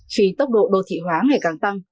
phì tốc độ đô thị hóa ngày càng tăng